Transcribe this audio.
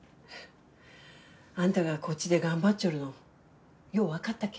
あんたがこっちで頑張っちょるのようわかったけん。